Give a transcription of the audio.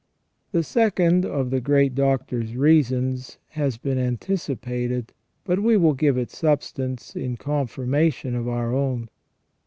* The second of the great Doctor's reasons has been anticipated, but we will give its substance in confirmation of our own.